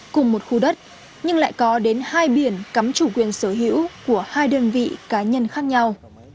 cùng một khu đất nhưng lại có đến hai biển cắm chủ quyền sở hữu của hai đơn vị cá nhân khác nhau